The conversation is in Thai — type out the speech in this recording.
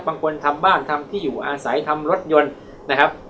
บางคนทำบ้านทำที่อยู่อาศัยทำรถยนต์นะครับ